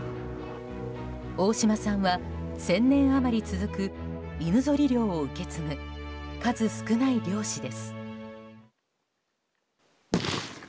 大島さんは１０００年余り続く犬ぞり猟を受け継ぐ数少ない猟師です。